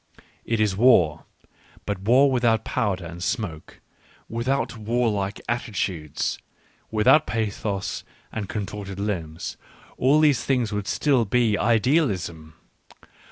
It is war, but war with out powder and smoke, without warlike attitudes, without pathos and contorted limbs — all these things would still be "idealism."